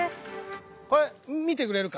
これ見てくれるか。